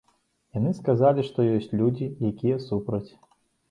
Яны сказалі, што ёсць людзі, якія супраць.